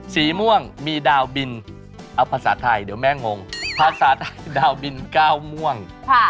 ซีม่วงมีดาวบินเอาภาษาไทยเดี๋ยวแม่งง